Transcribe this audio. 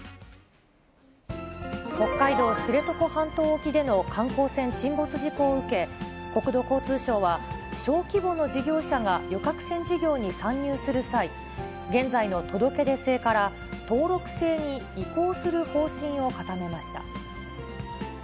北海道知床半島沖での観光船沈没事故を受け、国土交通省は小規模の事業者が旅客船事業に参入する際、現在の届け出制から、登録制に移行する方針を固めました。